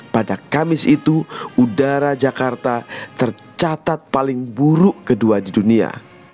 pada kamis itu udara jakarta tercatat paling buruk kedua di dunia